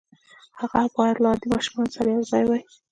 هغه بايد له عادي ماشومانو سره يو ځای وي.